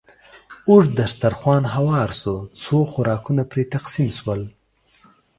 اوږد دسترخوان هوار شو، څو خوراکونه پرې تقسیم شول.